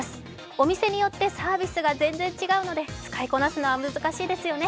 お店によってサービスが全然違うので使いこなすのは難しいですよね。